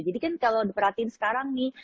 jadi kan kalau diperhatiin sekarang nih